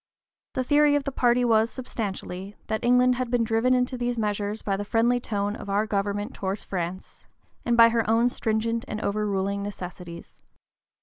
The theory of the party was, substantially, that England had been driven into these measures by the friendly tone of our government towards France, and by her own stringent and overruling necessities.